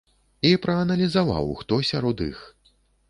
І прааналізаваў, хто сярод іх.